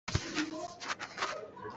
Sahluk cu thingkung cung in an vak.